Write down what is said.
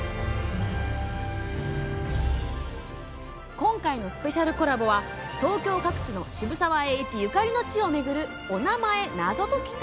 今回のスペシャルコラボは東京各地の渋沢栄一ゆかりの地を巡るお名前謎解き旅。